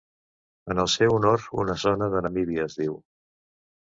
En el seu honor una zona de Namíbia es diu.